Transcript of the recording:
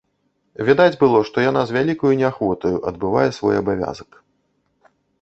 Відаць было, што яна з вялікаю неахвотаю адбывае свой абавязак.